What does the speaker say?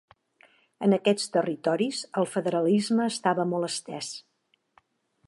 En aquests territoris, el federalisme estava molt estès.